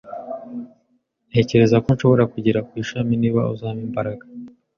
Ntekereza ko nshobora kugera ku ishami niba uzampa imbaraga